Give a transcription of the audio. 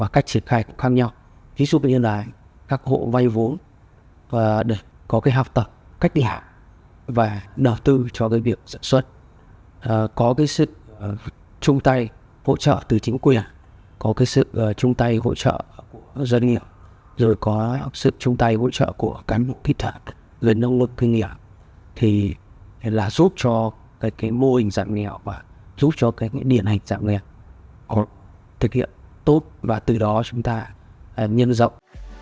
là giúp cho cái mô hình giảm nghèo và giúp cho cái điển hành giảm nghèo thực hiện tốt và từ đó chúng ta nhân rộng